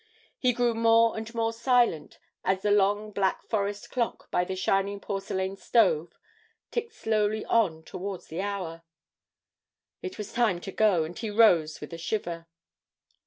He grew more and more silent as the long Black Forest clock by the shining porcelain stove ticked slowly on towards the hour. It was time to go, and he rose with a shiver.